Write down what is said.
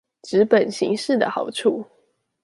紙本形式的好處